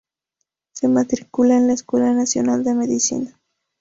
Se matricula en la Escuela Nacional de Medicina.